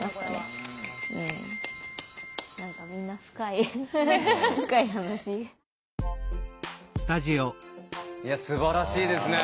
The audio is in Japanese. いやすばらしいですね。